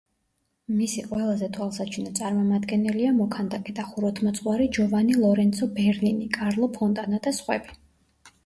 მისი ყველაზე თვალსაჩინო წარმომადგენელია მოქანდაკე და ხუროთმოძღვარი ჯოვანი ლორენცო ბერნინი, კარლო ფონტანა და სხვები.